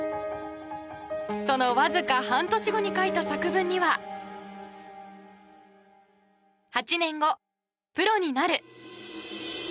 そのわずか半年後に書いた作文には８年後、プロになる。